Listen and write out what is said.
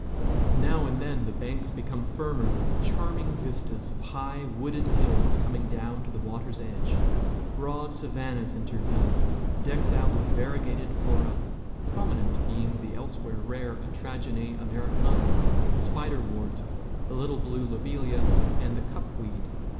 Now and then the banks become firmer, with charming vistas of high, wooded hills coming down to the water's edge; broad savannas intervene, decked out with variegated flora, prominent being the elsewhere rare atragene Americana, the spider wort, the little blue lobelia, and the cup weed.